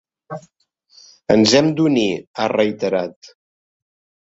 Ens hem d’unir, ha reiterat.